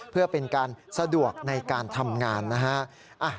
เพื่อเป็นการสะดวกในการทำงานนะฮะ